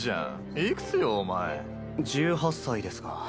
１８歳ですが。